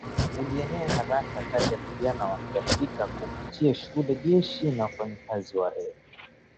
ulienea haraka kati ya vijana Wa kiafrika kupitia shule jeshi na wafanyakazi wa reli